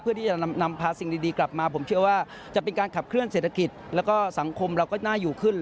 เพื่อที่จะนำพาสิ่งดีกลับมาผมเชื่อว่าจะเป็นการขับเคลื่อเศรษฐกิจแล้วก็สังคมเราก็น่าอยู่ขึ้น